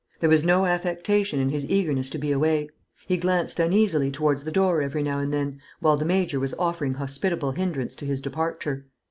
There was no affectation in his eagerness to be away. He glanced uneasily towards the door every now and then while the Major was offering hospitable hindrance to his departure.